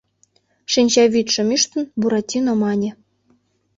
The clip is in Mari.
— шинчавӱдшым ӱштын, Буратино мане.